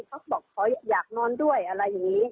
เขาบอกเขาอยากนอนด้วยอะไรอย่างนี้